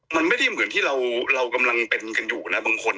มันไม่ได้เหมือนที่เรากำลังเป็นกันอยู่นะบางคน